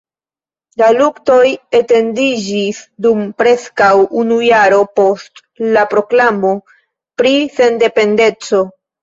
La luktoj etendiĝis dum preskaŭ unu jaro post la proklamo pri sendependeco.